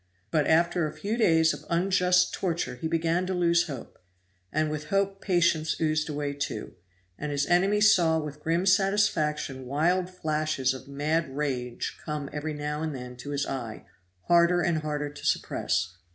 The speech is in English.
But after a few days of unjust torture he began to lose hope; and with hope patience oozed away too, and his enemy saw with grim satisfaction wild flashes of mad rage come every now and then to his eye, harder and harder to suppress.